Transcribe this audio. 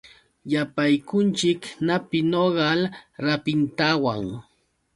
Yapaykunchik napi nogal rapintawan.